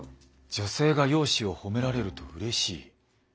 女性が容姿を褒められるとうれしい。